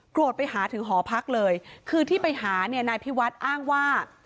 โกรธไปหาถึงหอพักเลยคือที่ไปหานายพิวัตรอ้างว่า